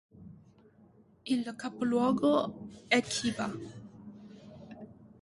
Il capoluogo è Khiva.